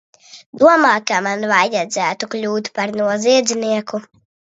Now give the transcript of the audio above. Domā, ka man vajadzētu kļūt pat noziedznieku?